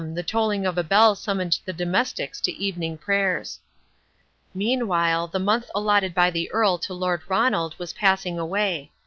the tolling of a bell summoned the domestics to evening prayers. Meanwhile the month allotted by the Earl to Lord Ronald was passing away.